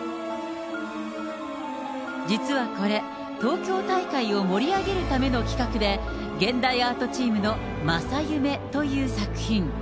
実はこれ、東京大会を盛り上げるための企画で、現代アートチームのまさゆめという作品。